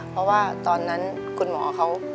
เพราะว่าตอนนั้นคุณหมอเขา